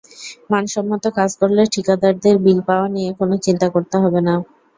মানসম্মত কাজ করলে ঠিকাদারদের বিল পাওয়া নিয়ে কোনো চিন্তা করতে হবে না।